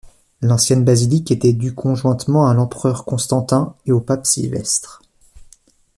L'ancienne basilique était due conjointement à l'empereur Constantin et au Pape Sylvestre.